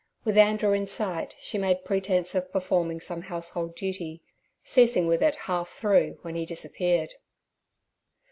With Andrew in sight, she made pretence of performing some household duty, ceasing with it half through when he disappeared.